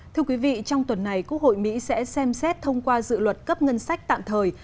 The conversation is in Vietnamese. thưa quý vị trong tuần này quốc hội mỹ sẽ xem xét thông qua dự luật cấp ngân sách tạm thời